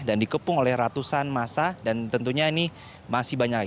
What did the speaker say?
dikepung oleh ratusan masa dan tentunya ini masih banyak lagi